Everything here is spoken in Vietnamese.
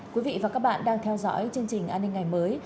quý vị và các bạn đang theo dõi chương trình an ninh ngày mới